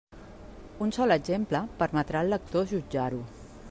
Un sol exemple permetrà al lector jutjar-ho.